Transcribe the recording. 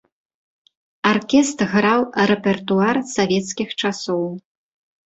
Аркестр граў рэпертуар савецкіх часоў.